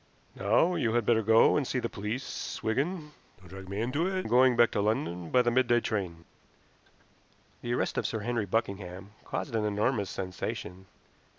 Now you had better go and see the police, Wigan. Don't drag me into it. I am going back to London by the midday train." The arrest of Sir Henry Buckingham caused an enormous sensation.